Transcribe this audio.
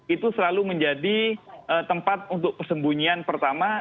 itu selalu menjadi tempat untuk persembunyian pertama